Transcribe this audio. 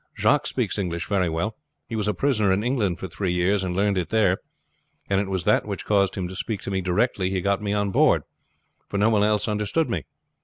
Jacques speaks English very well. He was a prisoner in England for three years, and learned it there, and it was that which caused him to speak to me directly he had got me on board, for no one else understood me.